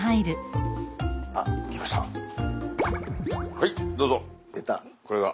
はいどうぞ。